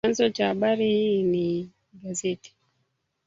Chanzo cha habari hii ni gazeti